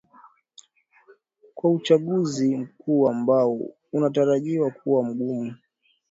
kwa uchaguzi mkuu ambao unataraji kuwa mgumu